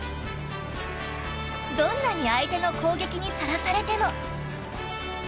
どんなに相手の攻撃にさらされても。